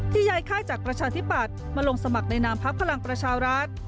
ย้ายค่ายจากประชาธิปัตย์มาลงสมัครในนามพักพลังประชารัฐ